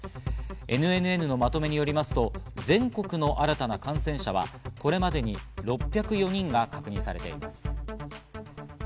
ＮＮＮのまとめによりますと、全国の新たな感染者はこれまでに６０４人が確認されています。